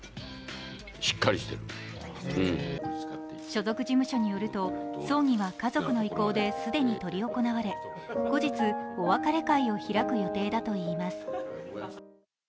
所属事務所によると、葬儀は家族の意向で既に執り行われ後日、お別れ会を開く予定だといいます。